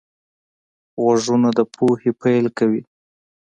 غوږونه د پوهې پیل کوي